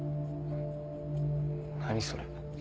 何それ。